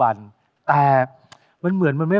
ยังเพราะความสำคัญ